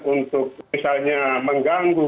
untuk misalnya mengganggu